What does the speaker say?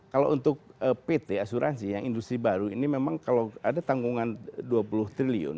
kalau untuk pt asuransi yang industri baru ini memang kalau ada tanggungan dua puluh triliun